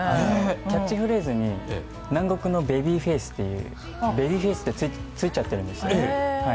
キャッチフレーズに南国のベビーフェイス、「ベビーフェイス」ってついちゃっているんです。